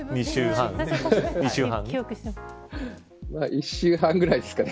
１周半ぐらいですかね。